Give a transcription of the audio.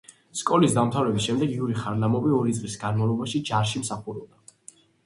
სკოლის დამთავრების შემდეგ იური ხარლამოვი ორი წლის განმავლობაში ჯარში მსახურობდა.